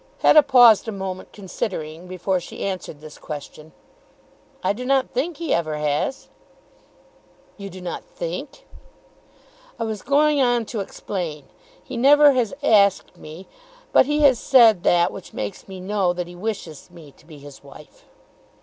Hetta paused a moment, considering, before she answered this question. "I do not think he ever has." "You do not think?" "I was going on to explain. He never has asked me. But he has said that which makes me know that he wishes me to be his wife."